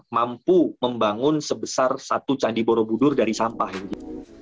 mampu membangun sebesar satu candi borobudur dari sampah ini